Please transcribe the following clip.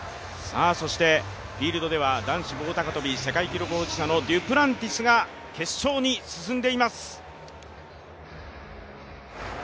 そしてフィールドでは男子棒高跳、世界記録保持者のデュプランティスが決勝に進んでいます。